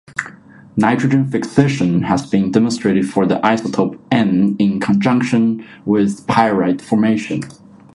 Nitrogen fixation has been demonstrated for the isotope N in conjunction with pyrite formation.